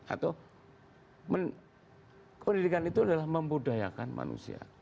atau pendidikan itu adalah membudayakan manusia